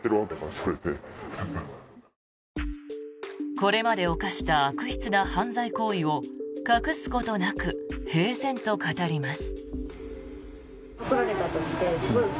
これまで犯した悪質な犯罪行為を隠すことなく平然と語ります。